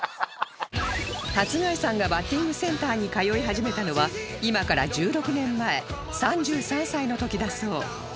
初谷さんがバッティングセンターに通い始めたのは今から１６年前３３歳の時だそう